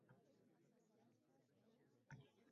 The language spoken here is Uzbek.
Fotimaxonim kuldi: